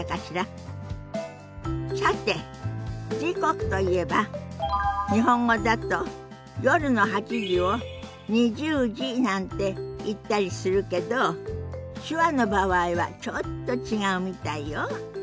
さて時刻といえば日本語だと夜の８時を２０時なんて言ったりするけど手話の場合はちょっと違うみたいよ。